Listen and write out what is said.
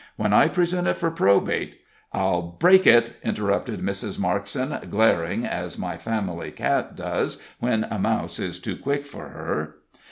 When I present it for probate " "I'll break it!" interrupted Mrs. Markson, glaring, as my family cat does when a mouse is too quick for her.